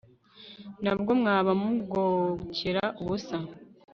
na bwo mwaba mugokera ubusa